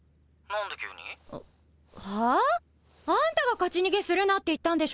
ハァ？あんたが勝ち逃げするなって言ったんでしょ